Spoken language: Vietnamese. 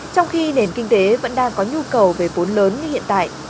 trong khi nền kinh tế vẫn đang có nhu cầu về vốn lớn như hiện tại